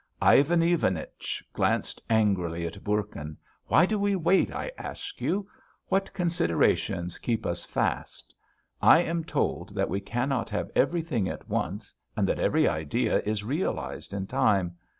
'" Ivan Ivanich glanced angrily at Bourkin. "Why do we wait, I ask you? What considerations keep us fast? I am told that we cannot have everything at once, and that every idea is realised in time.